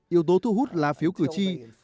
yếu tố thu hút là phiếu cử tri